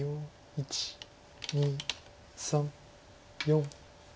１２３４。